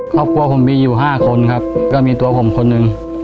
ครอบครัวผมมีอยู่๕คนครับก็มีตัวผมคนหนึ่ง